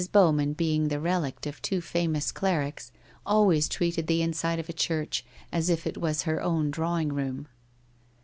Bowman being the relict of two famous clerics, always treated the inside of a church as if it was her own drawing room.